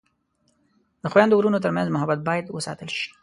د خویندو او ورونو ترمنځ محبت باید وساتل شي.